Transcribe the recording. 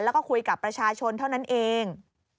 แล้วก็คุยกับประชาชนเท่านั้นเอง